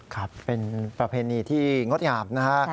ครับเป็นประเพณีที่งดงามนะฮะ